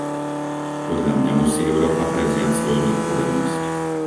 Podľa mňa musí Európa prevziať svoju zodpovednosť.